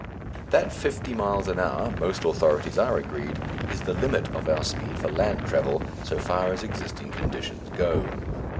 That fifty miles an hour, most authorities are agreed, is the limit of our speed for land travel, so far as existing conditions go.